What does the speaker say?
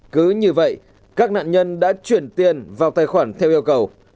cứ như vậy các nạn nhân đã chuyển tiền vào tài khoản theo yêu cầu